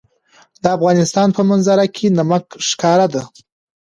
د افغانستان په منظره کې نمک ښکاره ده.